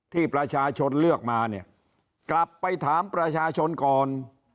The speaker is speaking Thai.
ที่ประชาชนเลือกมาเนี่ยกลับไปถามประชาชนก่อน